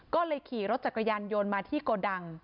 ก็เลยขี่รถจักรยานยนต์มาที่โกดัง